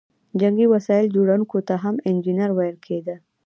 جنګي وسایل جوړوونکو ته هم انجینر ویل کیده.